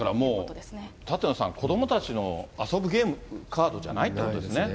ですからもう、舘野さん、子どもたちの遊ぶゲーム、カードじゃないということですね。